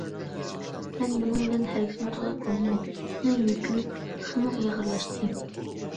مەن بۇنىڭ بىلەن ھەرگىزمۇ توختاپ قالمايمەن، مېنىڭ يۈكۈم تېخىمۇ ئېغىرلاشتى.